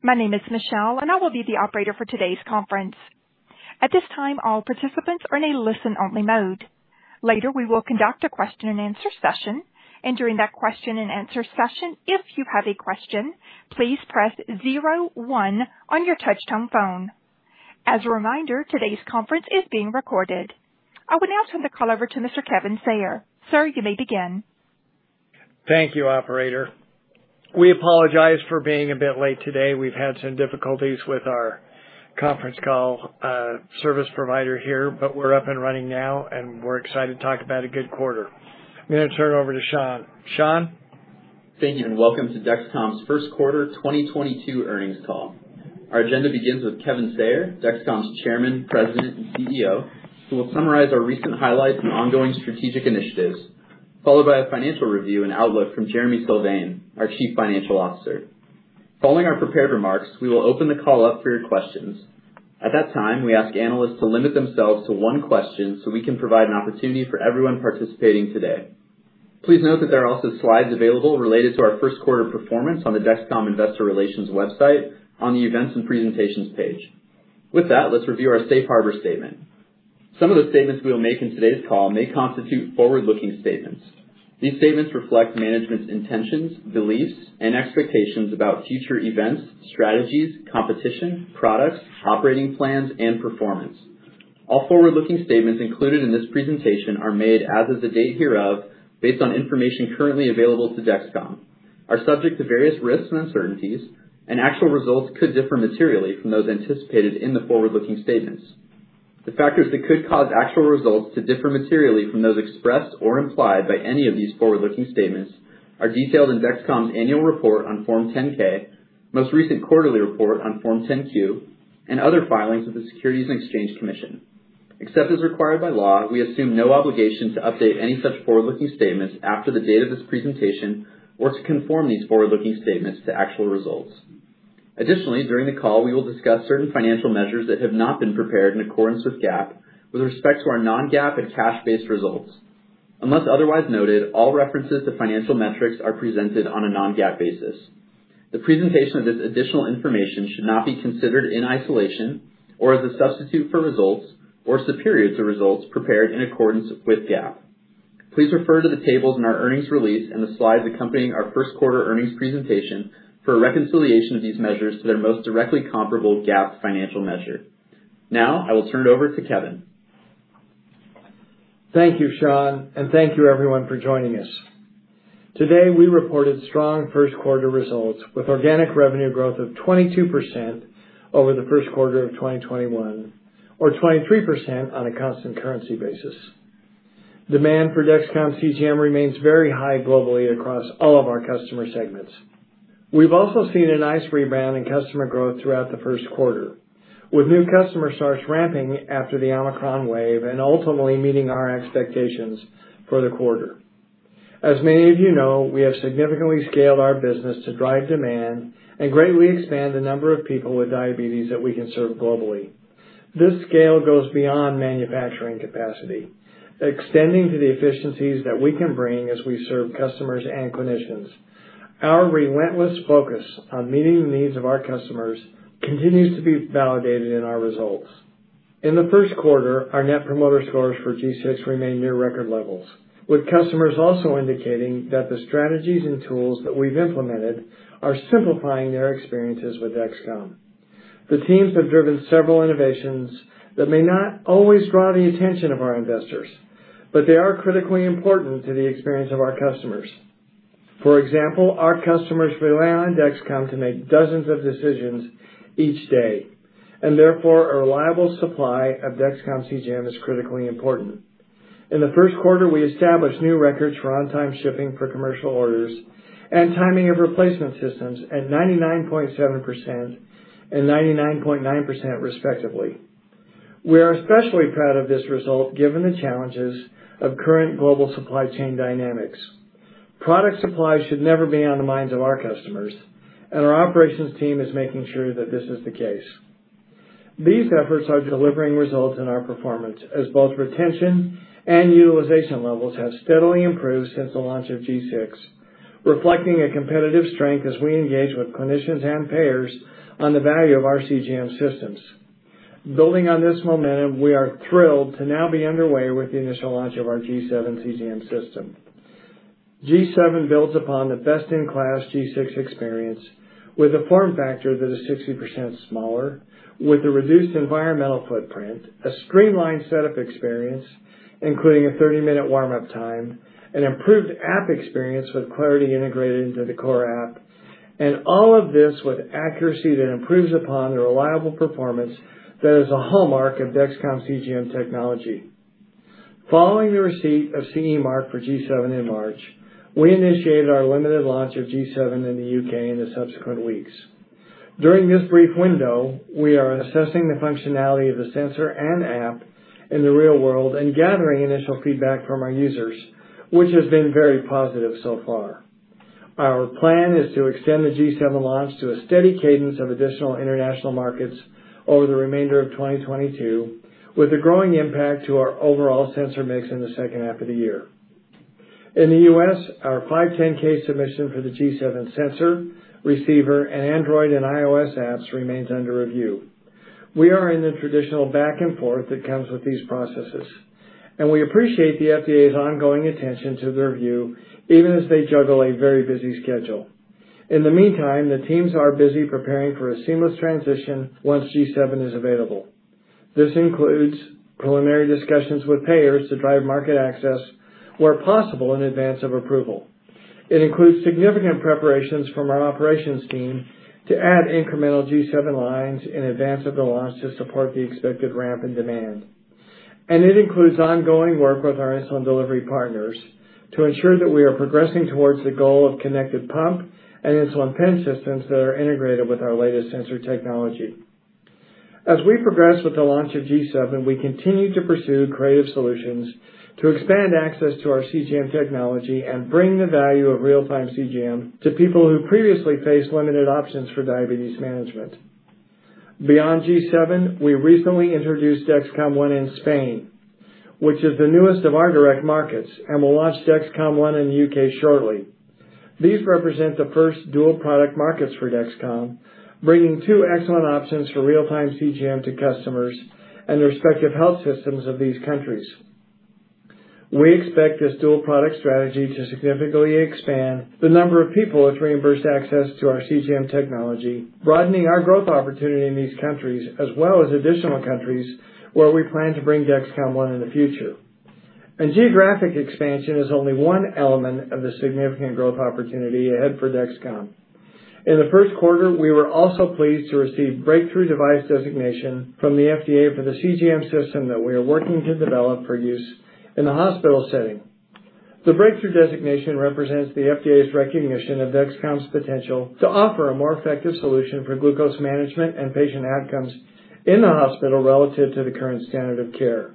My name is Michelle, and I will be the operator for today's conference. At this time, all participants are in a listen-only mode. Later, we will conduct a question-and-answer session, and during that question-and-answer session, if you have a question, please press zero one on your touchtone phone. As a reminder, today's conference is being recorded. I would now turn the call over to Mr. Kevin Sayer. Sir, you may begin. Thank you, operator. We apologize for being a bit late today. We've had some difficulties with our conference call service provider here, but we're up and running now, and we're excited to talk about a good quarter. I'm gonna turn it over to Sean. Sean? Thank you, and welcome to Dexcom's Q1 2022 earnings call. Our agenda begins with Kevin Sayer, Dexcom's Chairman, President, and CEO, who will summarize our recent highlights and ongoing strategic initiatives, followed by a financial review and outlook from Jereme Sylvain, our CFO. Following our prepared remarks, we will open the call up for your questions. At that time, we ask analysts to limit themselves to one question so we can provide an opportunity for everyone participating today. Please note that there are also slides available related to our first quarter performance on the Dexcom Investor Relations website on the Events and Presentations page. With that, let's review our safe harbor statement. Some of the statements we will make in today's call may constitute forward-looking statements. These statements reflect management's intentions, beliefs, and expectations about future events, strategies, competition, products, operating plans, and performance. All forward-looking statements included in this presentation are made as of the date hereof based on information currently available to Dexcom, are subject to various risks and uncertainties, and actual results could differ materially from those anticipated in the forward-looking statements. The factors that could cause actual results to differ materially from those expressed or implied by any of these forward-looking statements are detailed in Dexcom's annual report on Form 10-K, most recent quarterly report on Form 10-Q, and other filings with the Securities and Exchange Commission. Except as required by law, we assume no obligation to update any such forward-looking statements after the date of this presentation or to conform these forward-looking statements to actual results. Additionally, during the call, we will discuss certain financial measures that have not been prepared in accordance with GAAP with respect to our non-GAAP and cash-based results. Unless otherwise noted, all references to financial metrics are presented on a non-GAAP basis. The presentation of this additional information should not be considered in isolation or as a substitute for results or superior to results prepared in accordance with GAAP. Please refer to the tables in our earnings release and the slides accompanying our first quarter earnings presentation for a reconciliation of these measures to their most directly comparable GAAP financial measure. Now, I will turn it over to Kevin. Thank you, Sean, and thank you everyone for joining us. Today, we reported strong first quarter results with organic revenue growth of 22% over the first quarter of 2021 or 23% on a constant currency basis. Demand for Dexcom CGM remains very high globally across all of our customer segments. We've also seen a nice rebound in customer growth throughout the Q1, with new customer starts ramping after the Omicron wave and ultimately meeting our expectations for the quarter. As many of you know, we have significantly scaled our business to drive demand and greatly expand the number of people with diabetes that we can serve globally. This scale goes beyond manufacturing capacity, extending to the efficiencies that we can bring as we serve customers and clinicians. Our relentless focus on meeting the needs of our customers continues to be validated in our results. In the Q1, our Net Promoter Score for G6 remained near record levels, with customers also indicating that the strategies and tools that we've implemented are simplifying their experiences with Dexcom. The teams have driven several innovations that may not always draw the attention of our investors, but they are critically important to the experience of our customers. For example, our customers rely on Dexcom to make dozens of decisions each day, and therefore, a reliable supply of Dexcom CGM is critically important. In the Q1, we established new records for on-time shipping for commercial orders and timing of replacement systems at 99.7% and 99.9%, respectively. We are especially proud of this result given the challenges of current global supply chain dynamics. Product supply should never be on the minds of our customers, and our operations team is making sure that this is the case. These efforts are delivering results in our performance as both retention and utilization levels have steadily improved since the launch of G6, reflecting a competitive strength as we engage with clinicians and payers on the value of our CGM systems. Building on this momentum, we are thrilled to now be underway with the initial launch of our G7 CGM system. G7 builds upon the best-in-class G6 experience with a form factor that is 60% smaller, with a reduced environmental footprint, a streamlined setup experience, including a 30-minute warm-up time, an improved app experience with Clarity integrated into the core app, and all of this with accuracy that improves upon the reliable performance that is a hallmark of Dexcom CGM technology. Following the receipt of CE mark for G7 in March, we initiated our limited launch of G7 in the U.K. in the subsequent weeks. During this brief window, we are assessing the functionality of the sensor and app in the real world and gathering initial feedback from our users, which has been very positive so far. Our plan is to extend the G7 launch to a steady cadence of additional international markets over the remainder of 2022, with a growing impact to our overall sensor mix in the second half of the year. In the U.S., our 510(k) submission for the G7 sensor, receiver, and Android and iOS apps remains under review. We are in the traditional back and forth that comes with these processes, and we appreciate the FDA's ongoing attention to the review, even as they juggle a very busy schedule. In the meantime, the teams are busy preparing for a seamless transition once G7 is available. This includes preliminary discussions with payers to drive market access where possible in advance of approval. It includes significant preparations from our operations team to add incremental G7 lines in advance of the launch to support the expected ramp in demand. It includes ongoing work with our insulin delivery partners to ensure that we are progressing towards the goal of connected pump and insulin pen systems that are integrated with our latest sensor technology. As we progress with the launch of G7, we continue to pursue creative solutions to expand access to our CGM technology and bring the value of real-time CGM to people who previously faced limited options for diabetes management. Beyond G7, we recently introduced Dexcom ONE in Spain, which is the newest of our direct markets, and will launch Dexcom ONE in the U.K. shortly. These represent the first dual product markets for Dexcom, bringing two excellent options for real-time CGM to customers and the respective health systems of these countries. We expect this dual product strategy to significantly expand the number of people with reimbursed access to our CGM technology, broadening our growth opportunity in these countries, as well as additional countries where we plan to bring Dexcom ONE in the future. Geographic expansion is only one element of the significant growth opportunity ahead for Dexcom. In the Q1, we were also pleased to receive breakthrough device designation from the FDA for the CGM system that we are working to develop for use in the hospital setting. The breakthrough designation represents the FDA's recognition of Dexcom's potential to offer a more effective solution for glucose management and patient outcomes in the hospital relative to the current standard of care.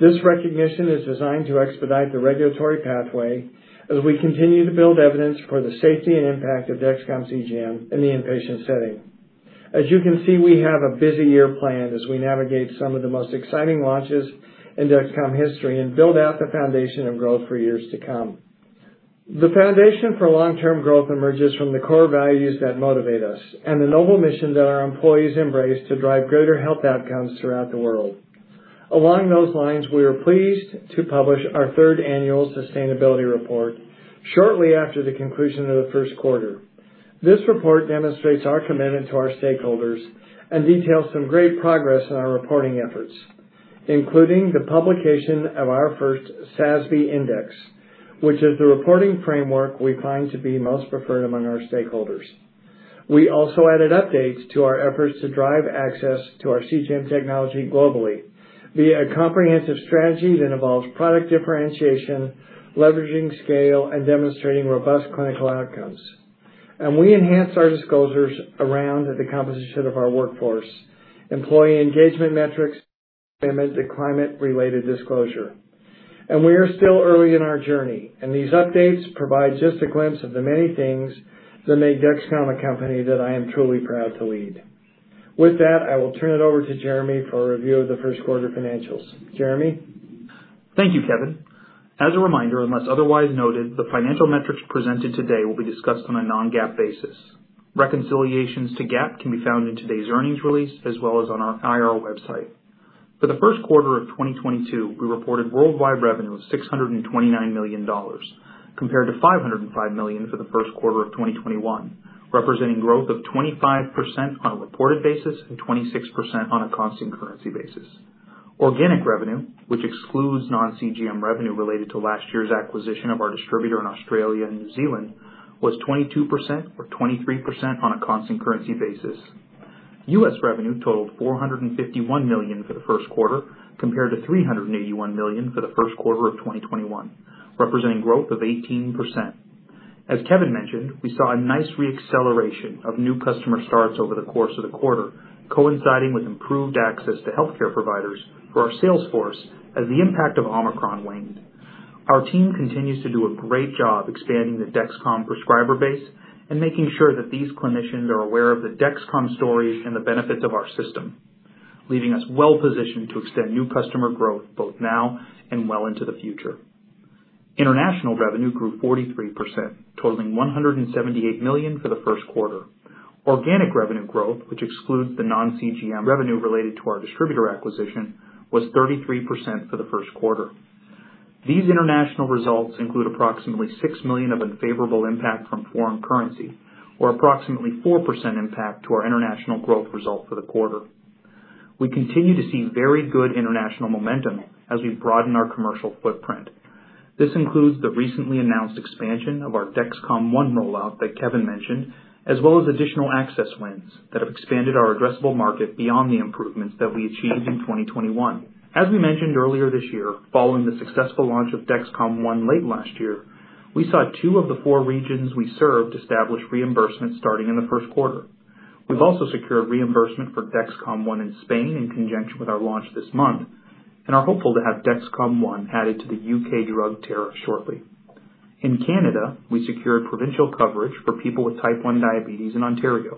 This recognition is designed to expedite the regulatory pathway as we continue to build evidence for the safety and impact of Dexcom CGM in the inpatient setting. As you can see, we have a busy year planned as we navigate some of the most exciting launches in Dexcom history and build out the foundation of growth for years to come. The foundation for long-term growth emerges from the core values that motivate us and the noble mission that our employees embrace to drive greater health outcomes throughout the world. Along those lines, we are pleased to publish our third annual sustainability report shortly after the conclusion of the Q1. This report demonstrates our commitment to our stakeholders and details some great progress in our reporting efforts, including the publication of our first SASB Index, which is the reporting framework we find to be most preferred among our stakeholders. We also added updates to our efforts to drive access to our CGM technology globally via a comprehensive strategy that involves product differentiation, leveraging scale, and demonstrating robust clinical outcomes. We enhance our disclosures around the composition of our workforce, employee engagement metrics, and the climate-related disclosure. We are still early in our journey, and these updates provide just a glimpse of the many things that make Dexcom a company that I am truly proud to lead. With that, I will turn it over to Jeremy for a review of the first quarter financials. Jeremy? Thank you, Kevin. As a reminder, unless otherwise noted, the financial metrics presented today will be discussed on a non-GAAP basis. Reconciliations to GAAP can be found in today's earnings release as well as on our IR website. For the Q1 of 2022, we reported worldwide revenue of $629 million, compared to $505 million for the Q1 of 2021, representing growth of 25% on a reported basis and 26% on a constant currency basis. Organic revenue, which excludes non-CGM revenue related to last year's acquisition of our distributor in Australia and New Zealand, was 22%, or 23% on a constant currency basis. U.S. revenue totaled $451 million for the Q1, compared to $381 million for the Q1 of 2021, representing growth of 18%. As Kevin mentioned, we saw a nice re-acceleration of new customer starts over the course of the quarter, coinciding with improved access to healthcare providers for our sales force as the impact of Omicron waned. Our team continues to do a great job expanding the Dexcom prescriber base and making sure that these clinicians are aware of the Dexcom story and the benefits of our system, leaving us well positioned to extend new customer growth both now and well into the future. International revenue grew 43%, totaling $178 million for the Q1. Organic revenue growth, which excludes the non-CGM revenue related to our distributor acquisition, was 33% for the Q1. These international results include approximately $6 million of unfavorable impact from foreign currency, or approximately 4% impact to our international growth result for the quarter. We continue to see very good international momentum as we broaden our commercial footprint. This includes the recently announced expansion of our Dexcom ONE rollout that Kevin mentioned, as well as additional access wins that have expanded our addressable market beyond the improvements that we achieved in 2021. As we mentioned earlier this year, following the successful launch of Dexcom ONE late last year, we saw two of the four regions we served establish reimbursement starting in the Q1. We've also secured reimbursement for Dexcom ONE in Spain in conjunction with our launch this month, and are hopeful to have Dexcom ONE added to the U.K. Drug Tariff shortly. In Canada, we secured provincial coverage for people with type one diabetes in Ontario.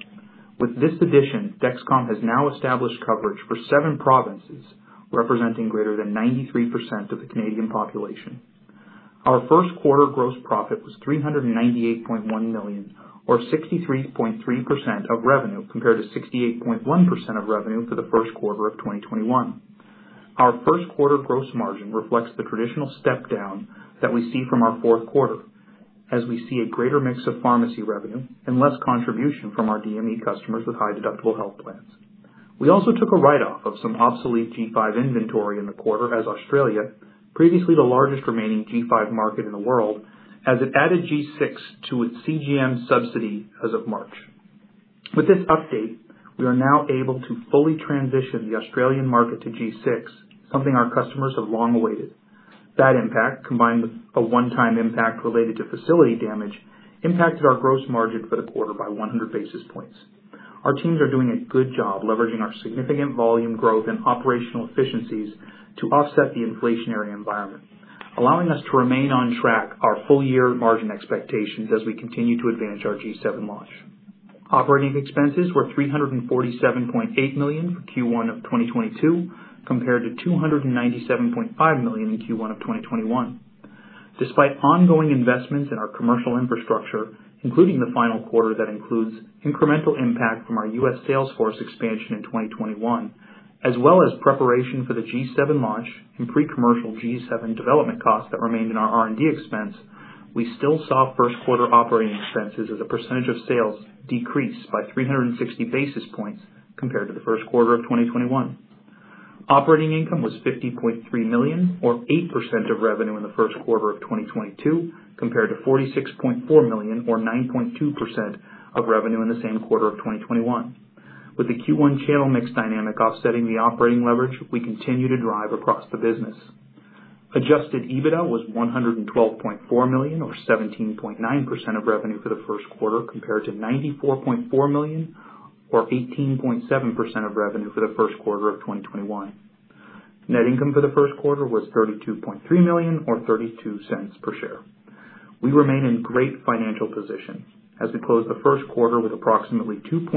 With this addition, Dexcom has now established coverage for seven provinces, representing greater than 93% of the Canadian population. Our Q1 gross profit was $398.1 million, or 63.3% of revenue, compared to 68.1% of revenue for the Q1 of 2021. Our Q1 gross margin reflects the traditional step down that we see from our Q4, as we see a greater mix of pharmacy revenue and less contribution from our DME customers with high deductible health plans. We also took a write-off of some obsolete G5 inventory in the quarter as Australia, previously the largest remaining G5 market in the world, as it added G6 to its CGM subsidy as of March. With this update, we are now able to fully transition the Australian market to G6, something our customers have long awaited. That impact, combined with a one-time impact related to facility damage, impacted our gross margin for the quarter by 100 basis points. Our teams are doing a good job leveraging our significant volume growth and operational efficiencies to offset the inflationary environment, allowing us to remain on track for our full-year margin expectations as we continue to advantage our G7 launch. Operating expenses were $347.8 million for Q1 of 2022, compared to $297.5 million in Q1 of 2021. Despite ongoing investments in our commercial infrastructure, including the final quarter that includes incremental impact from our U.S. sales force expansion in 2021, as well as preparation for the G7 launch and pre-commercial G7 development costs that remained in our R&D expense, we still saw first quarter operating expenses as a percentage of sales decrease by 360 basis points compared to the first quarter of 2021. Operating income was $50.3 million, or 8% of revenue in the first quarter of 2022, compared to $46.4 million, or 9.2% of revenue in the same quarter of 2021. With the Q1 channel mix dynamic offsetting the operating leverage, we continue to drive across the business. Adjusted EBITDA was $112.4 million or 17.9% of revenue for the first quarter, compared to $94.4 million or 18.7% of revenue for the first quarter of 2021. Net income for the first quarter was $32.3 million or $0.32 per share. We remain in great financial position as we close the first quarter with approximately $2.7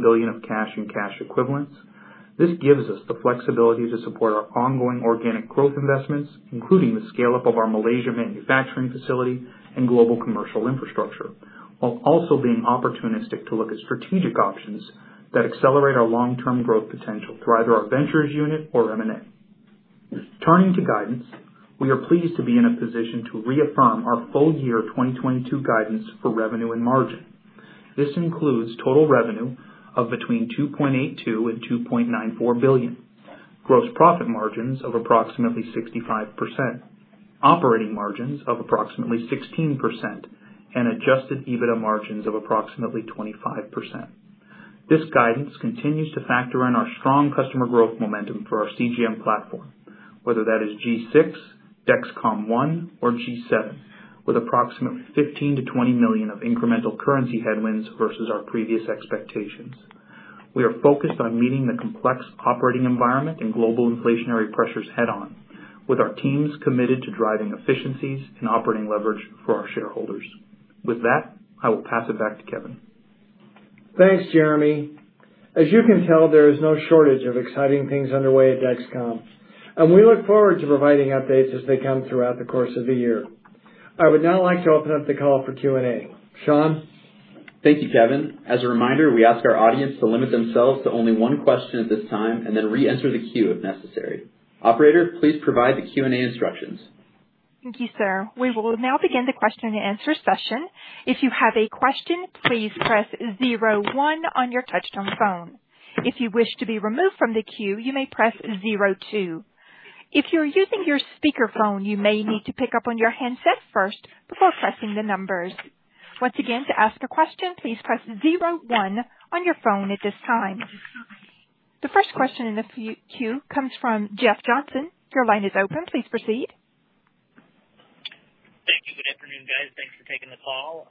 billion of cash and cash equivalents. This gives us the flexibility to support our ongoing organic growth investments, including the scale-up of our Malaysia manufacturing facility and global commercial infrastructure, while also being opportunistic to look at strategic options that accelerate our long-term growth potential through either our ventures unit or M&A. Turning to guidance, we are pleased to be in a position to reaffirm our full year 2022 guidance for revenue and margin. This includes total revenue of between $2.82 billion and $2.94 billion. Gross profit margins of approximately 65%. Operating margins of approximately 16%. Adjusted EBITDA margins of approximately 25%. This guidance continues to factor in our strong customer growth momentum for our CGM platform, whether that is G6, Dexcom ONE or G7, with approximately $15-$20 million of incremental currency headwinds versus our previous expectations. We are focused on meeting the complex operating environment and global inflationary pressures head on, with our teams committed to driving efficiencies and operating leverage for our shareholders. With that, I will pass it back to Kevin. Thanks, Jeremy. As you can tell, there is no shortage of exciting things underway at Dexcom, and we look forward to providing updates as they come throughout the course of the year. I would now like to open up the call for Q&A. Sean? Thank you, Kevin. As a reminder, we ask our audience to limit themselves to only one question at this time and then re-enter the queue if necessary. Operator, please provide the Q&A instructions. Thank you, sir. We will now begin the question and answer session. If you have a question, please press zero one on your touchtone phone. If you wish to be removed from the queue, you may press zero two. If you're using your speakerphone, you may need to pick up on your handset first before pressing the numbers. Once again, to ask a question, please press zero one on your phone at this time. The first question in the queue comes from Jeff Johnson. Your line is open. Please proceed. Thank you. Good afternoon, guys. Thanks for taking the call.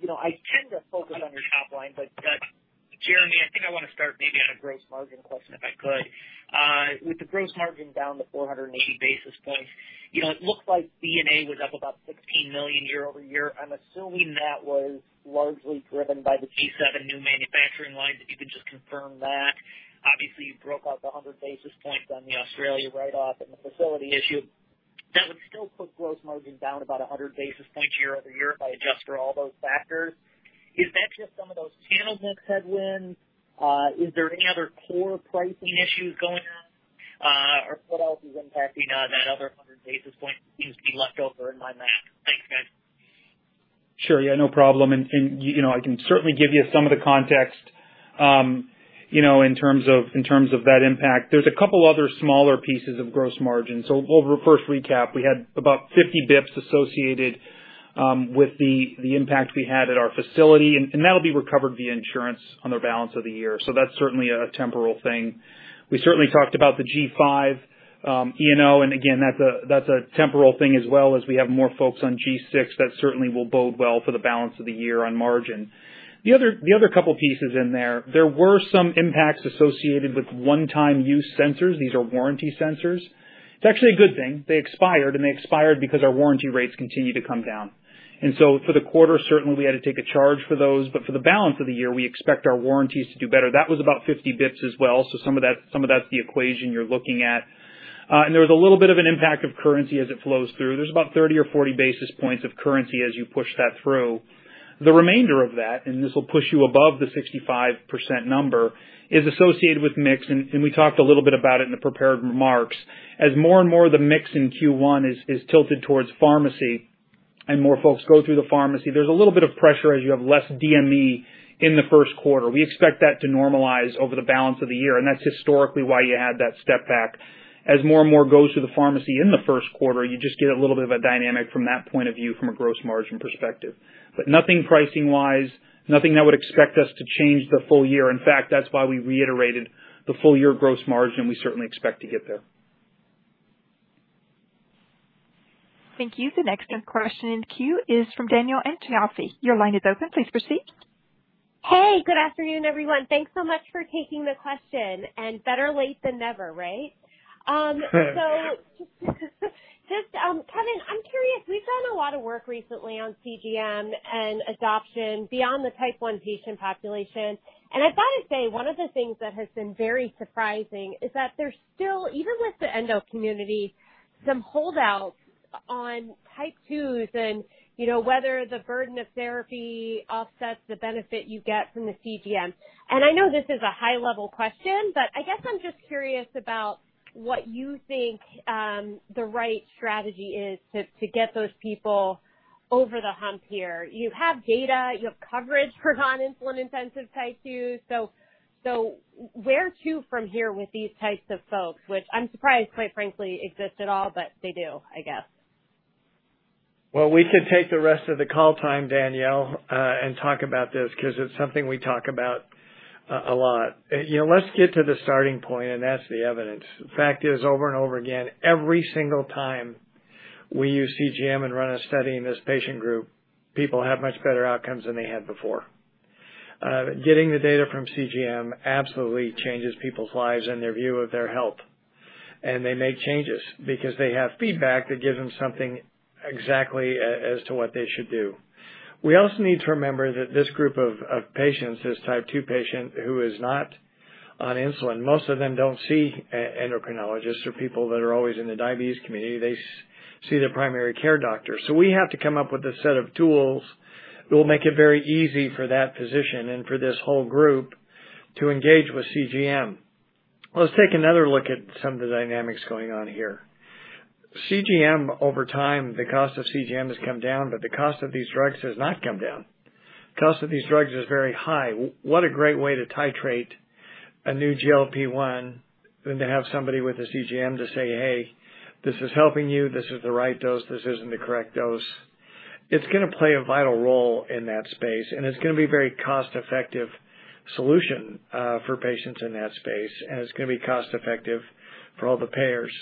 You know, I tend to focus on your top line, but Jeremy, I think I want to start maybe on a gross margin question, if I could. With the gross margin down 480 basis points, you know, it looks like D&A was up about $16 million year-over-year. I'm assuming that was largely driven by the G7 new manufacturing line. If you could just confirm that. Obviously, you broke out the 100 basis points on the Australia write-off and the facility issue. That would still put gross margin down about 100 basis points year-over-year if I adjust for all those factors. Is that just some of those channel mix headwinds? Is there any other core pricing issues going on? What else is impacting that other 100 basis points that seems to be left over in my math? Thanks, guys. Sure. Yeah, no problem. You know, I can certainly give you some of the context, you know, in terms of that impact. There's a couple other smaller pieces of gross margin. We'll first recap. We had about 50 bps associated with the impact we had at our facility, and that'll be recovered via insurance for the balance of the year. That's certainly a temporal thing. We certainly talked about the G5, E&O, and again, that's a temporal thing as well as we have more folks on G6 that certainly will bode well for the balance of the year on margin. The other couple pieces in there were some impacts associated with one-time use sensors. These are warranty sensors. It's actually a good thing. They expired because our warranty rates continue to come down. For the quarter, certainly we had to take a charge for those, but for the balance of the year, we expect our warranties to do better. That was about 50 basis points as well. Some of that, some of that's the equation you're looking at. There was a little bit of an impact of currency as it flows through. There's about 30 or 40 basis points of currency as you push that through. The remainder of that, and this will push you above the 65% number, is associated with mix, and we talked a little bit about it in the prepared remarks. As more and more of the mix in Q1 is tilted towards pharmacy and more folks go through the pharmacy, there's a little bit of pressure as you have less DME in the first quarter. We expect that to normalize over the balance of the year, and that's historically why you had that step back. As more and more goes to the pharmacy in the Q1, you just get a little bit of a dynamic from that point of view from a gross margin perspective. Nothing pricing-wise, nothing that would expect us to change the full year. In fact, that's why we reiterated the full year gross margin. We certainly expect to get there. Thank you. The next question in queue is from Danielle Antalffy. Your line is open. Please proceed. Hey, good afternoon, everyone. Thanks so much for taking the question. Better late than never, right? Just, Kevin, I'm curious. We've done a lot of work recently on CGM and adoption beyond the type one patient population. I've gotta say, one of the things that has been very surprising is that there's still, even with the endo community, some holdouts on type twos and, you know, whether the burden of therapy offsets the benefit you get from the CGM. I know this is a high level question, but I guess I'm just curious about what you think, the right strategy is to get those people over the hump here. You have data, you have coverage for non-insulin intensive type two, so where to from here with these types of folks, which I'm surprised, quite frankly, exist at all, but they do, I guess. Well, we could take the rest of the call time, Danielle, and talk about this 'cause it's something we talk about a lot. You know, let's get to the starting point, and that's the evidence. The fact is, over and over again, every single time we use CGM and run a study in this patient group, people have much better outcomes than they had before. Getting the data from CGM absolutely changes people's lives and their view of their health. They make changes because they have feedback that gives them something exactly as to what they should do. We also need to remember that this group of patients, this type two patient who is not on insulin, most of them don't see endocrinologists or people that are always in the diabetes community. They see their primary care doctor. We have to come up with a set of tools that will make it very easy for that physician and for this whole group to engage with CGM. Let's take another look at some of the dynamics going on here. CGM, over time, the cost of CGM has come down, but the cost of these drugs has not come down. The cost of these drugs is very high. What a great way to titrate a new GLP-1 than to have somebody with a CGM to say, "Hey, this is helping you. This is the right dose. This isn't the correct dose." It's gonna play a vital role in that space, and it's gonna be very cost-effective solution for patients in that space, and it's gonna be cost-effective for all the payers.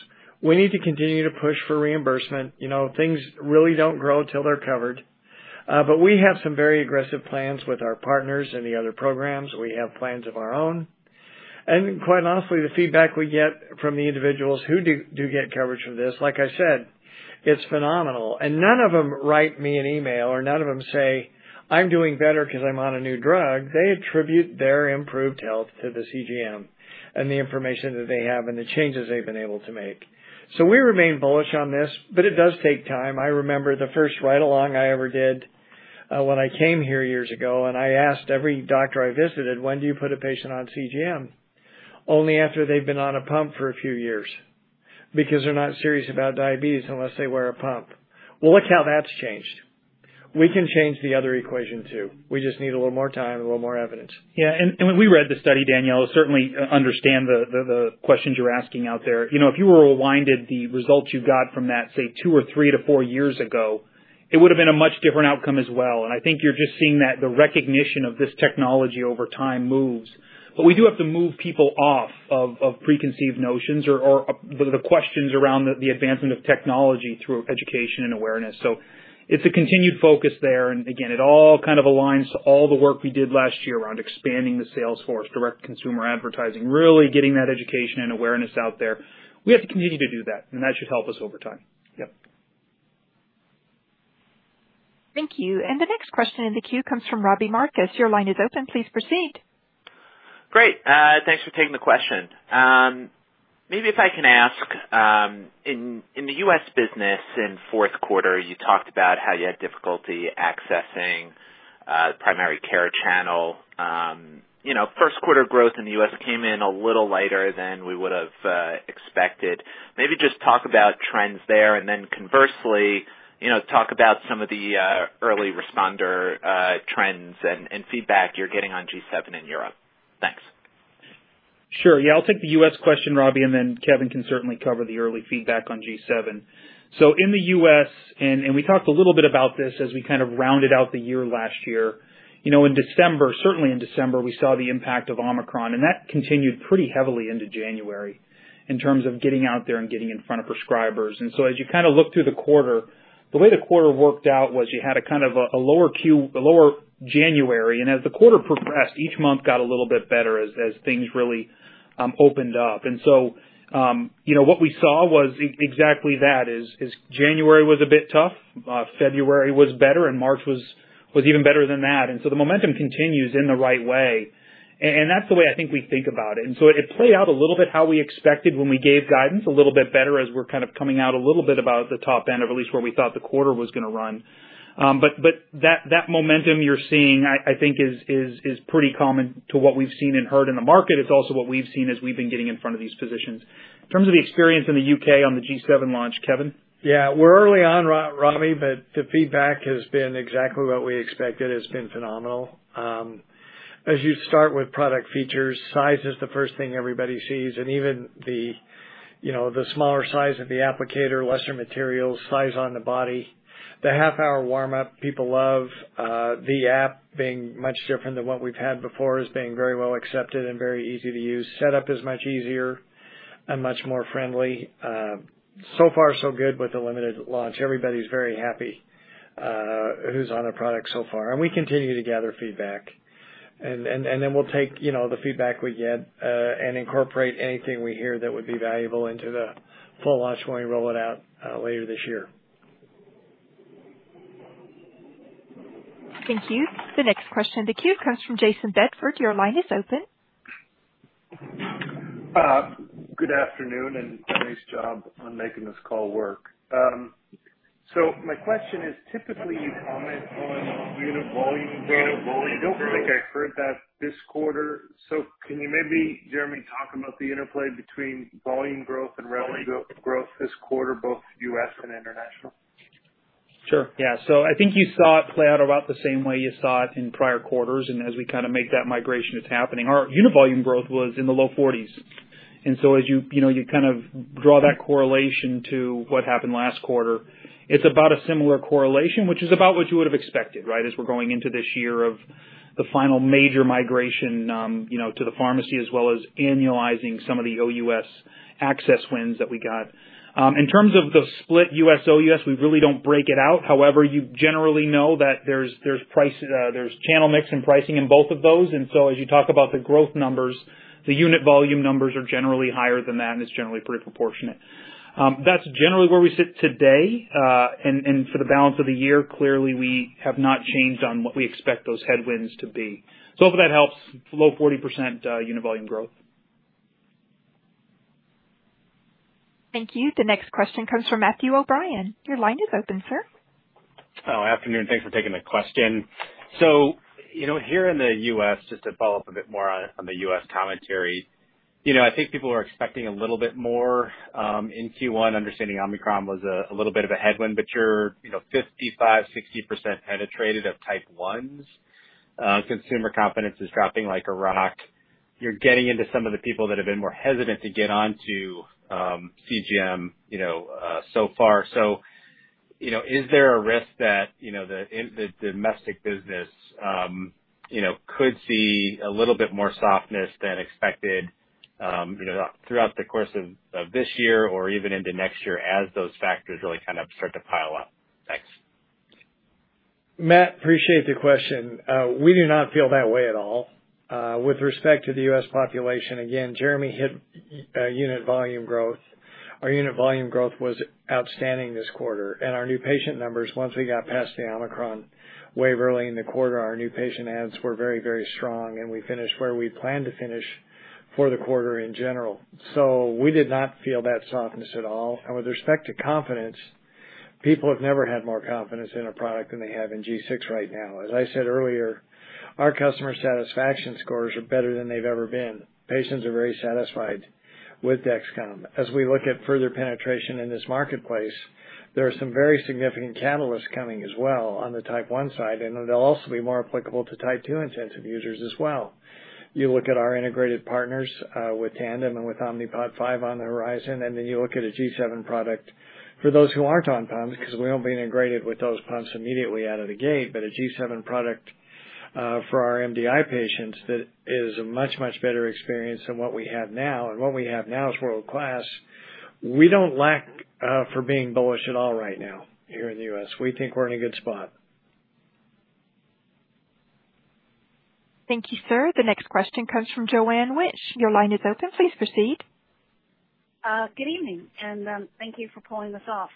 We need to continue to push for reimbursement. You know, things really don't grow till they're covered. We have some very aggressive plans with our partners in the other programs. We have plans of our own. Quite honestly, the feedback we get from the individuals who do get coverage for this, like I said, it's phenomenal. None of them write me an email or none of them say, "I'm doing better 'cause I'm on a new drug." They attribute their improved health to the CGM and the information that they have and the changes they've been able to make. We remain bullish on this, but it does take time. I remember the first ride-along I ever did, when I came here years ago, and I asked every doctor I visited, "When do you put a patient on CGM?" Only after they've been on a pump for a few years, because they're not serious about diabetes unless they wear a pump. Well, look how that's changed. We can change the other equation, too. We just need a little more time and a little more evidence. Yeah, when we read the study, Danielle, certainly understand the questions you're asking out there. You know, if you rewinded the results you got from that, say, two or three to four years ago, it would've been a much different outcome as well. I think you're just seeing that the recognition of this technology over time moves. We do have to move people off of preconceived notions or the questions around the advancement of technology through education and awareness. It's a continued focus there, and again, it all kind of aligns to all the work we did last year around expanding the sales force, direct consumer advertising, really getting that education and awareness out there. We have to continue to do that, and that should help us over time. Yep. Thank you. The next question in the queue comes from Robbie Marcus. Your line is open. Please proceed. Great. Thanks for taking the question. Maybe if I can ask, in the U.S. business in Q4, you talked about how you had difficulty accessing the primary care channel. You know, Q1 growth in the U.S. came in a little lighter than we would've expected. Maybe just talk about trends there and then conversely, you know, talk about some of the early responder trends and feedback you're getting on G7 in Europe. Thanks. Sure. Yeah, I'll take the U.S. question, Robbie, and then Kevin can certainly cover the early feedback on G7. In the US, we talked a little bit about this as we kind of rounded out the year last year. You know, in December, certainly in December, we saw the impact of Omicron, and that continued pretty heavily into January in terms of getting out there and getting in front of prescribers. As you kind of look through the quarter, the way the quarter worked out was you had a kind of a lower Q, a lower January. As the quarter progressed, each month got a little bit better as things really opened up. You know, what we saw was exactly that, January was a bit tough, February was better, and March was even better than that. The momentum continues in the right way. And that's the way I think we think about it. It played out a little bit how we expected when we gave guidance, a little bit better as we're kind of coming out a little bit about the top end, or at least where we thought the quarter was gonna run. But that momentum you're seeing, I think is pretty common to what we've seen and heard in the market. It's also what we've seen as we've been getting in front of these positions. In terms of the experience in the UK on the G7 launch, Kevin? Yeah, we're early on, Rami, but the feedback has been exactly what we expected. It's been phenomenal. As you start with product features, size is the first thing everybody sees, and even, you know, the smaller size of the applicator, lesser materials, size on the body. The half-hour warm-up, people love. The app being much different than what we've had before is being very well accepted and very easy to use. Setup is much easier and much more friendly. So far so good with the limited launch. Everybody's very happy who's on the product so far. We continue to gather feedback. Then we'll take, you know, the feedback we get and incorporate anything we hear that would be valuable into the full launch when we roll it out later this year. Thank you. The next question in the queue comes from Jayson Bedford. Your line is open. Good afternoon, and nice job on making this call work. My question is, typically you comment on unit volume growth. I don't think I heard that this quarter. Can you maybe, Jeremy, talk about the interplay between volume growth and revenue growth this quarter, both U.S. and international? Sure. Yeah. I think you saw it play out about the same way you saw it in prior quarters. As we kinda make that migration, it's happening. Our unit volume growth was in the low 40s. As you know, you kind of draw that correlation to what happened last quarter, it's about a similar correlation, which is about what you would have expected, right? As we're going into this year of the final major migration, you know, to the pharmacy, as well as annualizing some of the O.U.S. access wins that we got. In terms of the split U.S., O.U.S., we really don't break it out. However, you generally know that there's pricing, channel mix and pricing in both of those. As you talk about the growth numbers, the unit volume numbers are generally higher than that and it's generally pretty proportionate. That's generally where we sit today, and for the balance of the year, clearly we have not changed on what we expect those headwinds to be. If that helps, low 40% unit volume growth. Thank you. The next question comes from Matthew O'Brien. Your line is open, sir. Good afternoon. Thanks for taking the question. You know, here in the U.S., just to follow up a bit more on the U.S. commentary, you know, I think people are expecting a little bit more in Q1. Understanding Omicron was a little bit of a headwind, but you're, you know, 55%-60% penetrated of type ones. Consumer confidence is dropping like a rock. You're getting into some of the people that have been more hesitant to get onto CGM, you know, so far. You know, is there a risk that, you know, the domestic business, you know, could see a little bit more softness than expected, you know, throughout the course of this year or even into next year as those factors really kind of start to pile up? Thanks. Matt, appreciate the question. We do not feel that way at all. With respect to the U.S. population, again, Jeremy hit unit volume growth. Our unit volume growth was outstanding this quarter. Our new patient numbers, once we got past the Omicron wave early in the quarter, our new patient adds were very, very strong, and we finished where we had planned to finish for the quarter in general. We did not feel that softness at all. With respect to confidence, people have never had more confidence in a product than they have in G6 right now. As I said earlier, our customer satisfaction scores are better than they've ever been. Patients are very satisfied with Dexcom. As we look at further penetration in this marketplace, there are some very significant catalysts coming as well on the type one side, and it'll also be more applicable to type two intensive users as well. You look at our integrated partners with Tandem and with Omnipod five on the horizon, and then you look at a G7 product for those who aren't on pumps, because we won't be integrated with those pumps immediately out of the gate, but a G7 product for our MDI patients that is a much, much better experience than what we have now. What we have now is world-class. We don't lack for being bullish at all right now here in the U.S. We think we're in a good spot. Thank you, sir. The next question comes from Joanne Wuensch. Your line is open. Please proceed. Good evening, and thank you for pulling this off.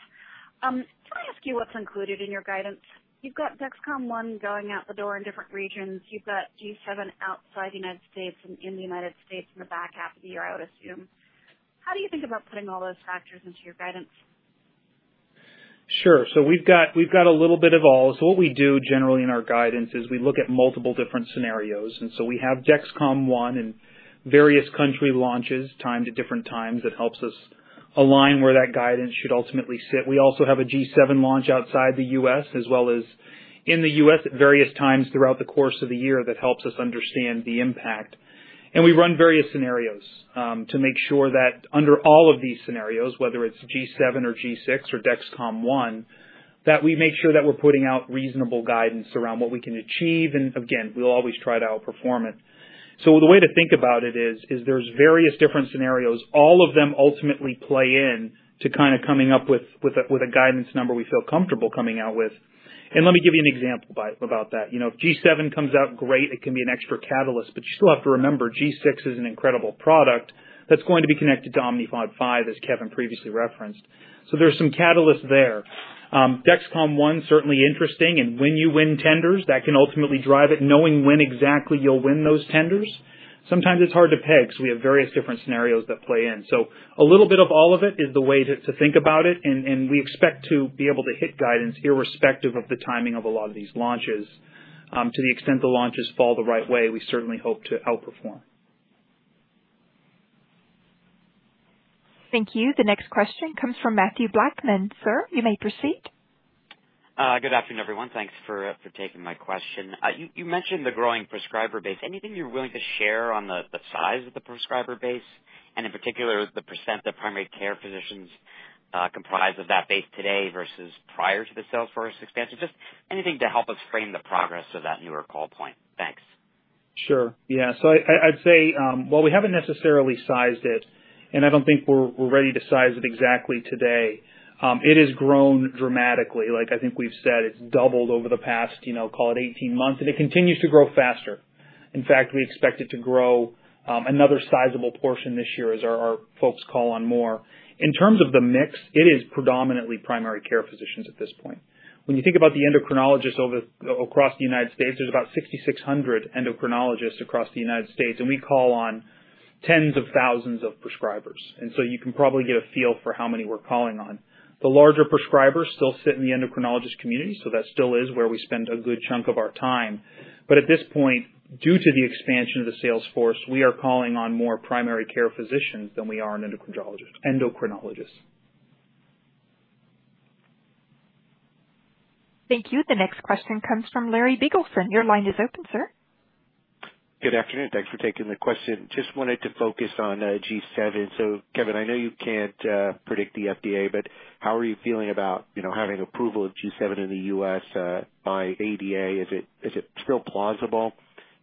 Can I ask you what's included in your guidance? You've got Dexcom ONE going out the door in different regions. You've got G7 outside the United States and in the United States in the back half of the year, I would assume. How do you think about putting all those factors into your guidance? Sure. We've got a little bit of all. What we do generally in our guidance is we look at multiple different scenarios. We have Dexcom ONE and various country launches timed at different times. It helps us align where that guidance should ultimately sit. We also have a G7 launch outside the U.S. as well as in the U.S. at various times throughout the course of the year that helps us understand the impact. We run various scenarios to make sure that under all of these scenarios, whether it's G7 or G6 or Dexcom ONE, that we make sure that we're putting out reasonable guidance around what we can achieve. We'll always try to outperform it. The way to think about it is there's various different scenarios. All of them ultimately play into kinda coming up with a guidance number we feel comfortable coming out with. Let me give you an example about that. You know, if G7 comes out great, it can be an extra catalyst, but you still have to remember G6 is an incredible product that's going to be connected to Omnipod five, as Kevin previously referenced. There's some catalysts there. Dexcom ONE, certainly interesting. When you win tenders, that can ultimately drive it. Knowing when exactly you'll win those tenders. Sometimes it's hard to peg, so we have various different scenarios that play in. A little bit of all of it is the way to think about it, and we expect to be able to hit guidance irrespective of the timing of a lot of these launches. To the extent the launches fall the right way, we certainly hope to outperform. Thank you. The next question comes from Mathew Blackman. Sir, you may proceed. Good afternoon, everyone. Thanks for taking my question. You mentioned the growing prescriber base. Anything you're willing to share on the size of the prescriber base? In particular, the percent that primary care physicians comprise of that base today versus prior to the sales force expansion? Just anything to help us frame the progress of that newer call point. Thanks. Sure. Yeah. I'd say, while we haven't necessarily sized it, and I don't think we're ready to size it exactly today, it has grown dramatically. Like I think we've said, it's doubled over the past, you know, call it 18 months, and it continues to grow faster. In fact, we expect it to grow another sizable portion this year as our folks call on more. In terms of the mix, it is predominantly primary care physicians at this point. When you think about the endocrinologists across the United States, there's about 6,600 endocrinologists across the United States, and we call on tens of thousands of prescribers. You can probably get a feel for how many we're calling on. The larger prescribers still sit in the endocrinologist community, so that still is where we spend a good chunk of our time. At this point, due to the expansion of the sales force, we are calling on more primary care physicians than we are endocrinologists. Thank you. The next question comes from Larry Biegelsen. Your line is open, sir. Good afternoon. Thanks for taking the question. Just wanted to focus on G7. So Kevin, I know you can't predict the FDA, but how are you feeling about, you know, having approval of G7 in the US by ADA? Is it still plausible?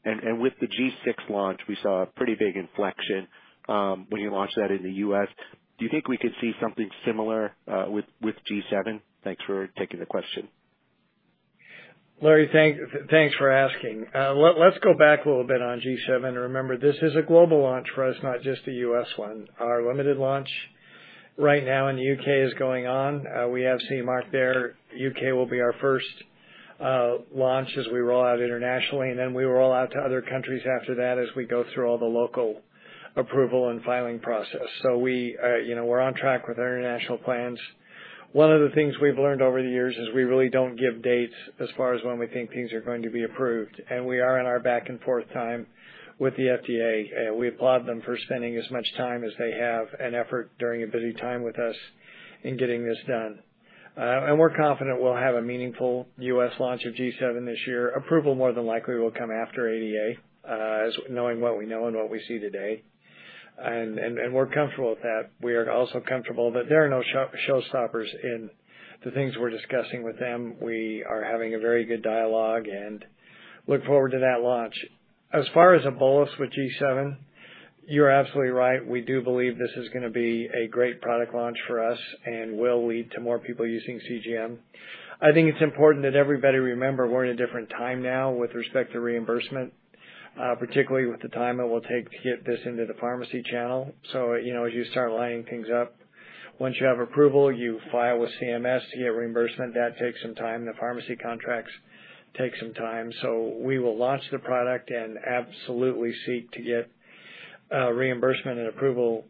With the G6 launch, we saw a pretty big inflection when you launched that in the US. Do you think we could see something similar with G7? Thanks for taking the question. Larry, thanks for asking. Let's go back a little bit on G7. Remember, this is a global launch for us, not just a U.S. one. Our limited launch right now in the U.K. is going on. We have CE mark there. U.K. will be our first launch as we roll out internationally, and then we roll out to other countries after that as we go through all the local approval and filing process. You know, we're on track with our international plans. One of the things we've learned over the years is we really don't give dates as far as when we think things are going to be approved. We are in our back and forth time with the FDA. We applaud them for spending as much time as they have and effort during a busy time with us in getting this done. We're confident we'll have a meaningful U.S. launch of G7 this year. Approval more than likely will come after ADA, as knowing what we know and what we see today. We're comfortable with that. We are also comfortable that there are no showstoppers in the things we're discussing with them. We are having a very good dialogue and look forward to that launch. As far as a bolus with G7, you're absolutely right. We do believe this is gonna be a great product launch for us and will lead to more people using CGM. I think it's important that everybody remember we're in a different time now with respect to reimbursement, particularly with the time it will take to get this into the pharmacy channel. You know, as you start lining things up, once you have approval, you file with CMS to get reimbursement. That takes some time. The pharmacy contracts take some time. We will launch the product and absolutely seek to get reimbursement and approval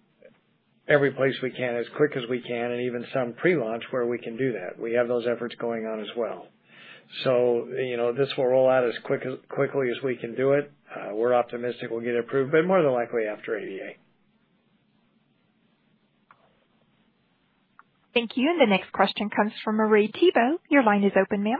every place we can, as quick as we can, and even some pre-launch where we can do that. We have those efforts going on as well. You know, this will roll out as quick, as quickly as we can do it. We're optimistic we'll get approved, but more than likely after ADA. Thank you. The next question comes from Marie Thibault. Your line is open, ma'am.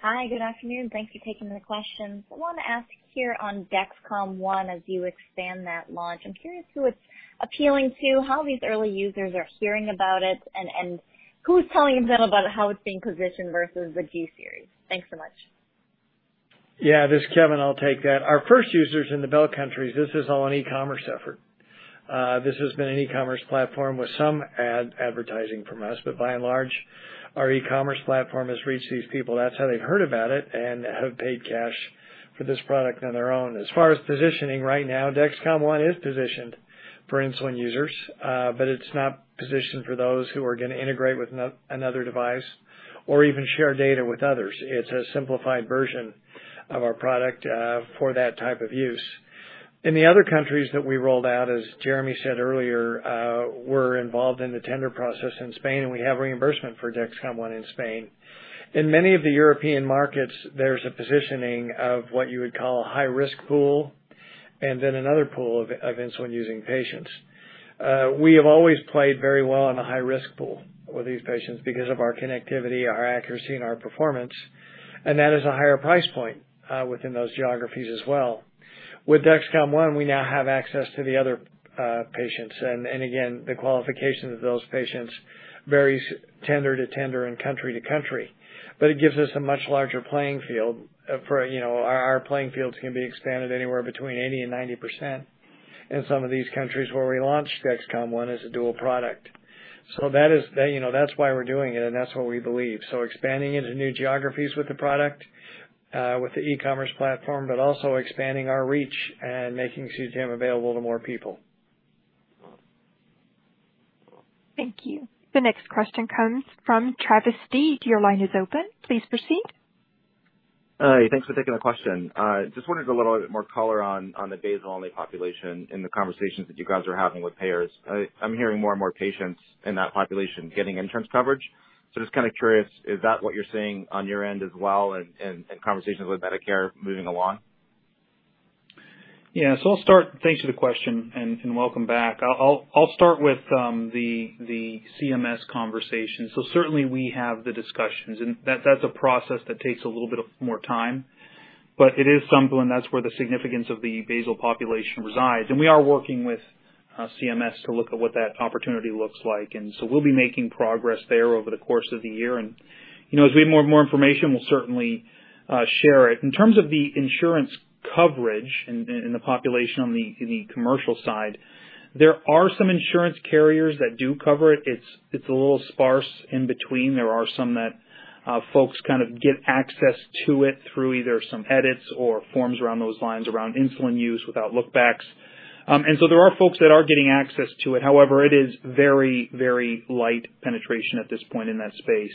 Hi, good afternoon. Thanks for taking the questions. I wanna ask here on Dexcom ONE, as you expand that launch, I'm curious who it's appealing to, how these early users are hearing about it and who's telling them about how it's being positioned versus the G series. Thanks so much. Yeah. This is Kevin. I'll take that. Our first users in the Benelux countries, this is all an e-commerce effort. This has been an e-commerce platform with some ad advertising from us. But by and large, our e-commerce platform has reached these people. That's how they've heard about it and have paid cash for this product on their own. As far as positioning, right now, Dexcom One is positioned for insulin users, but it's not positioned for those who are gonna integrate with another device or even share data with others. It's a simplified version of our product, for that type of use. In the other countries that we rolled out, as Jeremy said earlier, we're involved in the tender process in Spain, and we have reimbursement for Dexcom One in Spain. In many of the European markets, there's a positioning of what you would call a high-risk pool and then another pool of insulin-using patients. We have always played very well in the high-risk pool with these patients because of our connectivity, our accuracy, and our performance, and that is a higher price point within those geographies as well. With Dexcom ONE, we now have access to the other patients. Again, the qualification of those patients varies tender to tender and country to country. It gives us a much larger playing field. You know, our playing fields can be expanded anywhere between 80%-90% in some of these countries where we launched Dexcom ONE as a dual product. That is, you know, that's why we're doing it, and that's what we believe. Expanding into new geographies with the product, with the e-commerce platform, but also expanding our reach and making CGM available to more people. Thank you. The next question comes from Travis Steed. Your line is open. Please proceed. Hi. Thanks for taking the question. Just wanted a little bit more color on the basal-only population in the conversations that you guys are having with payers. I'm hearing more and more patients in that population getting insurance coverage. Just kinda curious, is that what you're seeing on your end as well in conversations with Medicare moving along? Yeah. I'll start. Thanks for the question, and welcome back. I'll start with the CMS conversation. Certainly we have the discussions, and that's a process that takes a little bit of more time, but it is something, and that's where the significance of the basal population resides. We are working with CMS to look at what that opportunity looks like. We'll be making progress there over the course of the year. You know, as we have more and more information, we'll certainly share it. In terms of the insurance coverage in the population on the commercial side, there are some insurance carriers that do cover it. It's a little sparse in between. There are some that folks kind of get access to it through either some edits or forms around those lines around insulin use without lookbacks. There are folks that are getting access to it. However, it is very, very light penetration at this point in that space.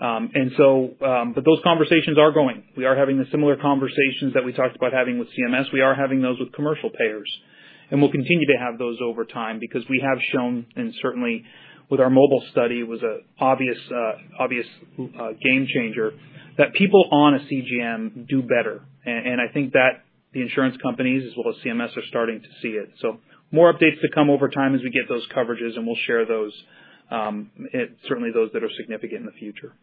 Those conversations are going. We are having the similar conversations that we talked about having with CMS. We are having those with commercial payers. We'll continue to have those over time because we have shown, and certainly with our mobile study, it was an obvious game changer, that people on a CGM do better. I think that the insurance companies as well as CMS are starting to see it. More updates to come over time as we get those coverages, and we'll share those, and certainly those that are significant in the future.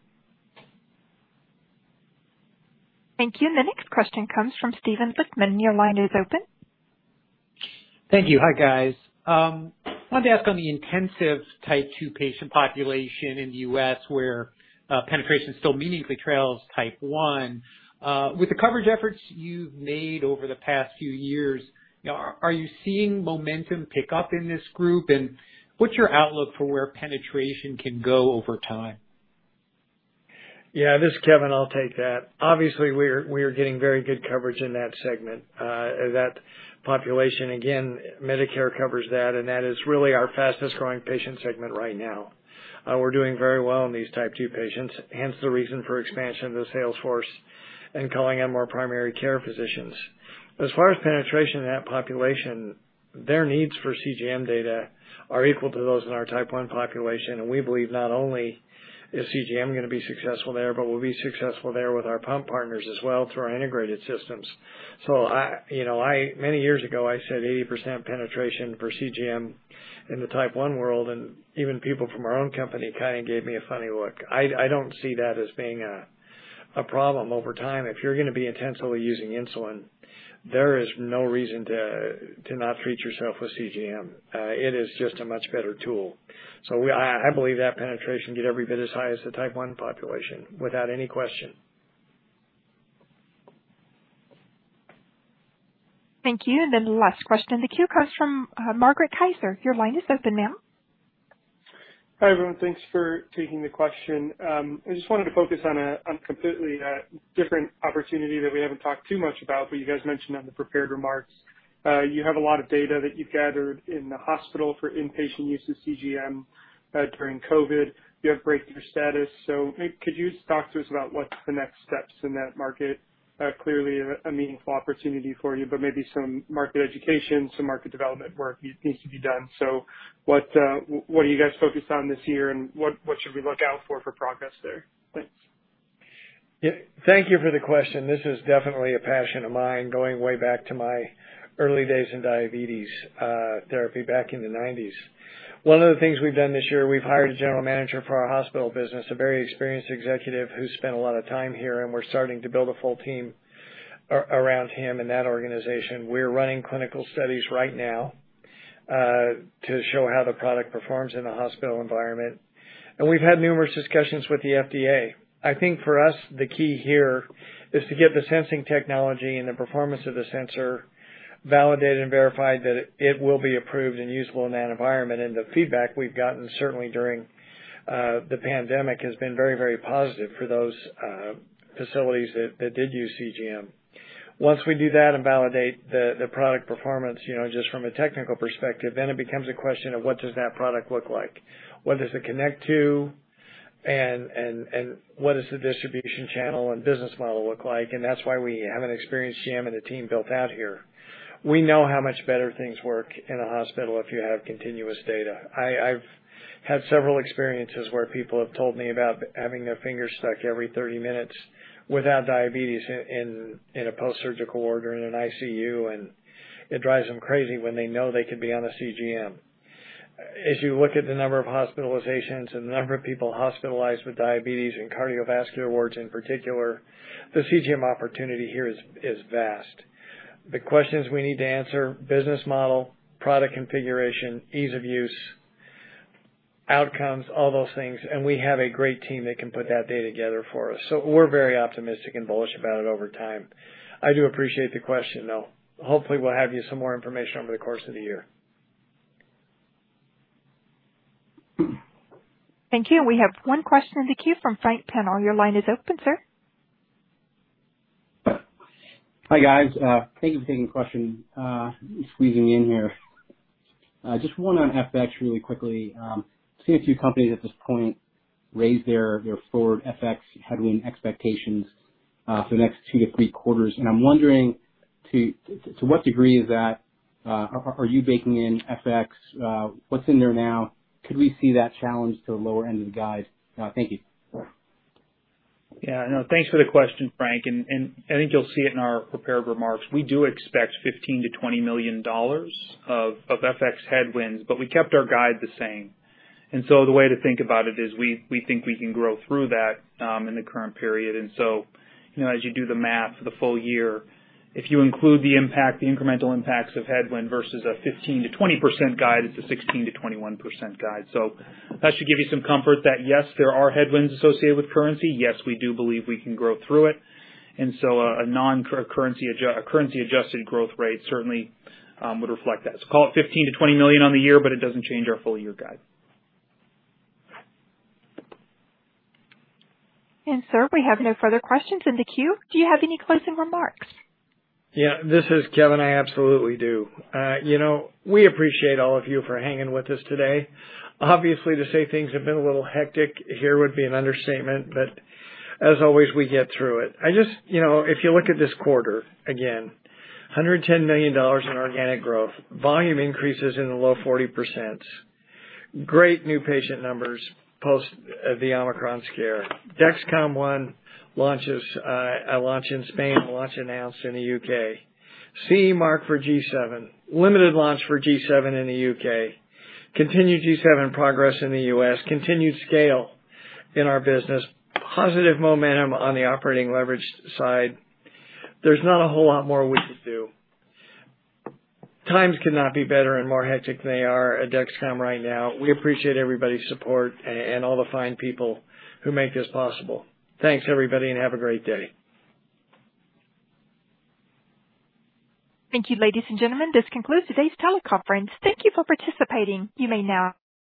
Thank you. The next question comes from Steven Lichtman. Your line is open. Thank you. Hi, guys. Wanted to ask on the intensive Type Two patient population in the U.S. where penetration still meaningfully trails Type One. With the coverage efforts you've made over the past few years, you know, are you seeing momentum pick up in this group? What's your outlook for where penetration can go over time? Yeah. This is Kevin. I'll take that. Obviously, we are getting very good coverage in that segment, or that population. Again, Medicare covers that, and that is really our fastest growing patient segment right now. We're doing very well in these Type Two patients, hence the reason for expansion of the sales force and calling out more primary care physicians. As far as penetration in that population, their needs for CGM data are equal to those in our Type 1 population, and we believe not only is CGM gonna be successful there, but we'll be successful there with our pump partners as well through our integrated systems. I, you know, many years ago, I said 80% penetration for CGM in the Type One world, and even people from our own company kind of gave me a funny look. I don't see that as being a problem over time. If you're gonna be intentionally using insulin, there is no reason to not treat yourself with CGM. It is just a much better tool. I believe that penetration get every bit as high as the Type 1 population without any question. Thank you. The last question in the queue comes from Margaret Kaczor. Your line is open, ma'am. Hi, everyone. Thanks for taking the question. I just wanted to focus on a completely different opportunity that we haven't talked too much about, but you guys mentioned on the prepared remarks. You have a lot of data that you've gathered in the hospital for inpatient use of CGM during COVID. You have breakthrough status. Could you just talk to us about what's the next steps in that market? Clearly a meaningful opportunity for you, but maybe some market education, some market development work needs to be done. What are you guys focused on this year, and what should we look out for progress there? Thanks. Yeah. Thank you for the question. This is definitely a passion of mine going way back to my early days in diabetes therapy back in the nineties. One of the things we've done this year, we've hired a general manager for our hospital business, a very experienced executive who spent a lot of time here, and we're starting to build a full team around him in that organization. We're running clinical studies right now to show how the product performs in a hospital environment. We've had numerous discussions with the FDA. I think for us, the key here is to get the sensing technology and the performance of the sensor validated and verified that it will be approved and usable in that environment. The feedback we've gotten certainly during the pandemic has been very, very positive for those facilities that did use CGM. Once we do that and validate the product performance, you know, just from a technical perspective, then it becomes a question of what does that product look like? What does it connect to? And what does the distribution channel and business model look like? That's why we have an experienced GM and a team built out here. We know how much better things work in a hospital if you have continuous data. I've had several experiences where people have told me about having their finger stuck every 30 minutes without diabetes in a post-surgical order, in an ICU, and it drives them crazy when they know they could be on a CGM. As you look at the number of hospitalizations and the number of people hospitalized with diabetes in cardiovascular wards in particular, the CGM opportunity here is vast. The questions we need to answer, business model, product configuration, ease of use, outcomes, all those things, and we have a great team that can put that data together for us. We're very optimistic and bullish about it over time. I do appreciate the question, though. Hopefully, we'll have you some more information over the course of the year. Thank you. We have one question in the queue from Frank Penn. Your line is open, sir. Hi, guys. Thank you for taking the question and squeezing me in here. Just one on FX really quickly. Seeing a few companies at this point raise their forward FX headwind expectations for the next two-three quarters. I'm wondering, to what degree is that, are you baking in FX? What's in there now? Could we see that challenge to the lower end of the guide? Thank you. Yeah, no, thanks for the question, Frank. I think you'll see it in our prepared remarks. We do expect $15-$20 million of FX headwinds, but we kept our guide the same. The way to think about it is we think we can grow through that in the current period. You know, as you do the math for the full year, if you include the impact, the incremental impacts of headwind versus a 15%-20% guide, it's a 16%-21% guide. That should give you some comfort that, yes, there are headwinds associated with currency. Yes, we do believe we can grow through it. A currency-adjusted growth rate certainly would reflect that. Call it $15 million-$20 million on the year, but it doesn't change our full year guide. Sir, we have no further questions in the queue. Do you have any closing remarks? Yeah, this is Kevin. I absolutely do. You know, we appreciate all of you for hanging with us today. Obviously, to say things have been a little hectic here would be an understatement, but as always, we get through it. You know, if you look at this quarter, again, $110 million in organic growth. Volume increases in the low 40%. Great new patient numbers post the Omicron scare. Dexcom ONE launches, a launch in Spain, a launch announced in the U.K. CE mark for G7. Limited launch for G7 in the U.K. Continued G7 progress in the U.S. Continued scale in our business. Positive momentum on the operating leverage side. There's not a whole lot more we could do. Times could not be better and more hectic than they are at Dexcom right now. We appreciate everybody's support and all the fine people who make this possible. Thanks, everybody, and have a great day. Thank you, ladies and gentlemen. This concludes today's teleconference. Thank you for participating. You may now disconnect.